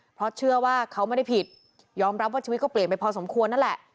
เพราะเชื่อว่าเขาไม่ได้ผิดยอมรับว่าชีวิตก็เปลี่ยนไปพอสมควรนั่นแหละ